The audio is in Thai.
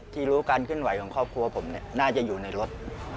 ที่รู้การขึ้นไหวของครอบครัวผมน่าจะอยู่ในรถ